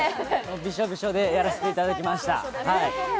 びしょびしょでやらせていただきました。